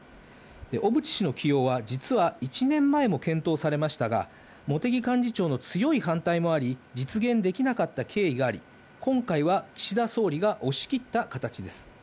小渕氏の起用は、実は１年前も検討されましたが、茂木幹事長の強い反対もあり、実現できなかった経緯があり、今回は岸田総理が押し切った形です。